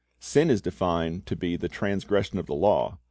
Sin is defined to be "the transgression of the law."